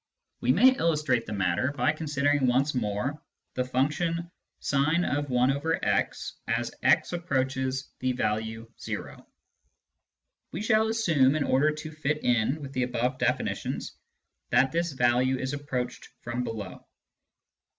We may illustrate the matter by con sidering once more the function sin i/x as x approaches the value o. We shall assume, in order to fit in with the above definitions, that this value is approached from below.